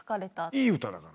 いい歌だから。